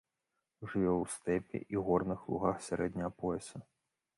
Жыве ў стэпе і горных лугах сярэдняга пояса.